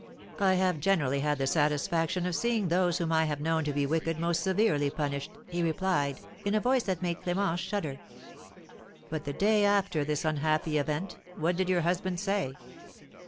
"I have generally had the satisfaction of seeing those whom I have known to be wicked most severely punished," he replied, in a voice that made Clémence shudder. "But the day after this unhappy event what did your husband say?"